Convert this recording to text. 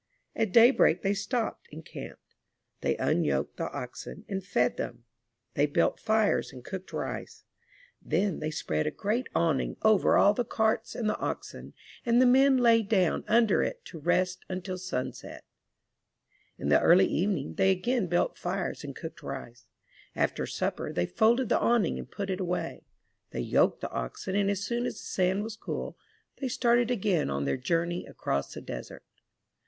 At daybreak they stopped and camped. They unyoked the oxen, and fed them. They built fires and cooked rice. Then they spread a great awning ♦Taken from Jataka Tales by the permission of The Century Co. 200 UP ONE PAIR OF STAIRS over all the carts and the oxen, and the men lay down under it to rest until sunset. In the early evening, they again built fires and cooked rice. After supper, they folded the awning and put it away. They yoked the oxen and as soon as the sand was cool, they started again on their journey across the desert.